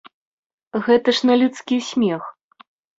Гэта ж на людскі смех.